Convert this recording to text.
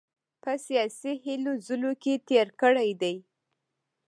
په سیاسي هلو ځلو کې تېر کړی دی.